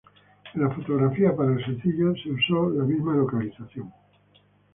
En las fotografías para el sencillo fue usada la misma locación.